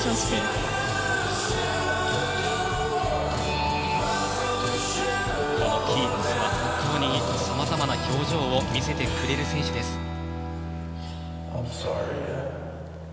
キーバスはさまざまな表情を見せてくれる選手です。